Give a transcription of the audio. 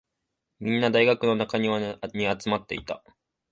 みんな、大学の中庭に集まっていた。